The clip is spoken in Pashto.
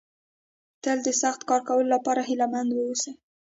تل د سخت کار کولو لپاره هيله مند ووسئ.